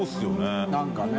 何かね。